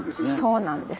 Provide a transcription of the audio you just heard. そうなんです。